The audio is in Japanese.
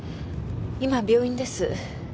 今病院です。